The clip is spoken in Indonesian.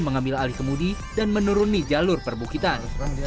mengambil alih kemudi dan menuruni jalur perbukitan